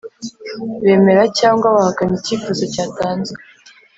bemera cyangwa bahakana icyifuzo cyatanzwe